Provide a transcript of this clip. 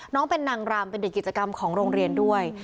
น้องเป็นนางรำเป็นเด็กกิจกรรมของโรงเรียนด้วย